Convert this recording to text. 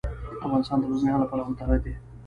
افغانستان د بزګان له پلوه متنوع دی.